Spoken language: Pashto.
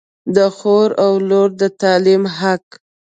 د خور و لور د تعلیم حق